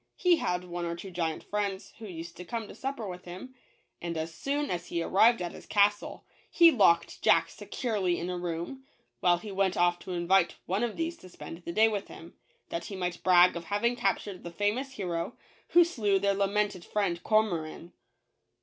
He had one or two giant friends who used to come to supper with him, and as soon as he arrived at his castle, he locked Jack securely in a room, while he went off to invite one of these to spend the day with him, that he might brag of having captured the famous hero, who slew their lamented friend Cormoran.